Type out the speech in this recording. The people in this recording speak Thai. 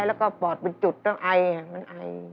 แล้วก็ปอดเป็นจุดต้องไอมันไอ